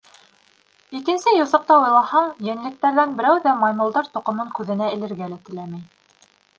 Икенсе юҫыҡта уйлаһаң, йәнлектәрҙән берәү ҙә маймылдар тоҡомон күҙенә элергә лә теләмәй.